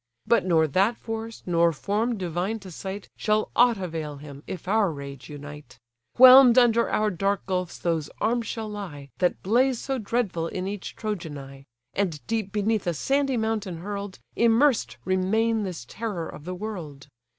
But nor that force, nor form divine to sight, Shall aught avail him, if our rage unite: Whelm'd under our dark gulfs those arms shall lie, That blaze so dreadful in each Trojan eye; And deep beneath a sandy mountain hurl'd, Immersed remain this terror of the world.